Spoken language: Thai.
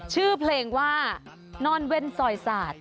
ชื่อเพลงว่านอนเว้นสอยสาด